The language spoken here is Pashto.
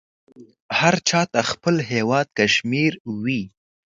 هر چاته خپل هیواد کشمیر وې.